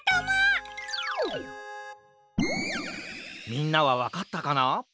みんなはわかったかな？